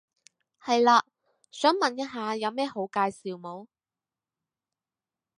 係嘞，想問一下有咩好介紹冇？